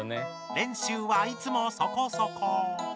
練習はいつもそこそこ。